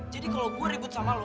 jadi kalau gue ribut sama lo